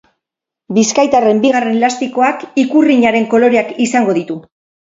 Bizkaitarren bigarren elastikoak ikurrinaren koloreak izango ditu.